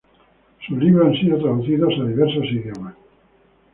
Sus libros han sido traducidos a diversos idiomas.